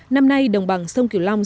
năm nay đồng bằng sông kiều long